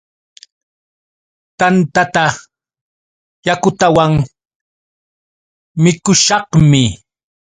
Tantata yakutawan mikushaqmi.